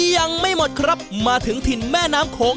ยังไม่หมดครับมาถึงถิ่นแม่น้ำโขง